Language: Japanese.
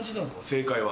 正解は。